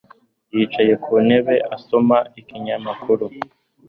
Yicaye ku ntebe asoma ikinyamakuru